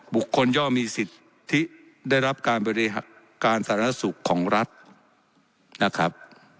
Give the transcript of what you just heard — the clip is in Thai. บุคคลย่อมีสิทธิได้รับการบริการสาธารณสุขของรัฐนะครับ